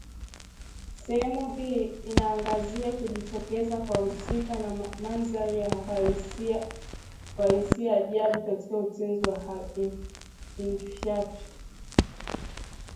Sehemu hii inaangazia kujitokeza kwa wahusika na mandhari ya uhalisiajabu katika Utenzi wa Al-Inkishafi